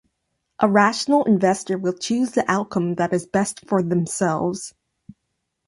A rational investor will choose the outcome that is best for themselves.